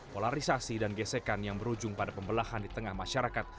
polarisasi dan gesekan yang berujung pada pembelahan di tengah masyarakat